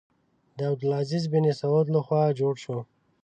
د عبدالعزیز بن سعود له خوا جوړ شو.